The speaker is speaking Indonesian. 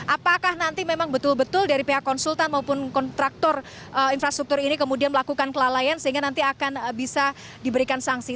apakah nanti memang betul betul dari pihak konsultan maupun kontraktor infrastruktur ini kemudian melakukan kelalaian sehingga nanti akan bisa diberikan sanksi